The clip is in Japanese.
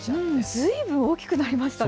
ずいぶん大きくなりましたね。